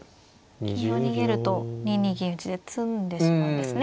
金を逃げると２二銀打で詰んでしまうんですね